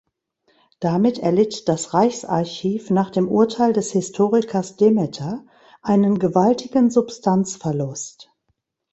Damit erlitt das Reichsarchiv nach dem Urteil des Historikers Demeter "einen gewaltigen Substanzverlust".